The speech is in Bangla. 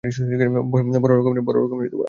বড়ো রকমের আবাল হয়।